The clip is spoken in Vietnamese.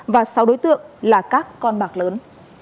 và sáu đối tượng là các con bạc lớn